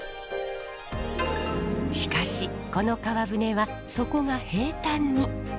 しかしこの川舟は底が平たんに。